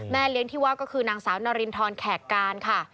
เลี้ยงที่ว่าก็คือนางสาวนารินทรแขกการค่ะ